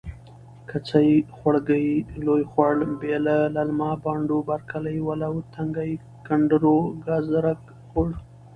کڅۍ.خوړګۍ.لوی خوړ.بیله.للمه.بانډو.برکلی. ولو تنګی.کنډرو.ګازرک خوړ.